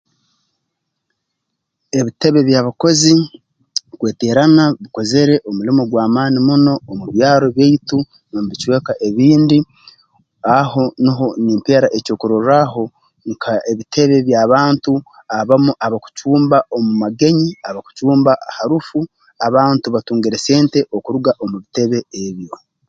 Ebitebe by'abakozi kweteerana bikozere omulimo gw'amaani muno omu byaro byaitu n'omu bicweka ebindi aho nuho nimpeera ekyokurorraaho nka ebitebe by'abantu abamu abakucumba omu magenyi abakucumba ha rufu abantu batungire sente okuruga omu bitebe ebyo